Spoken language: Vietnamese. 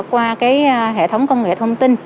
qua cái hệ thống công nghệ thông tin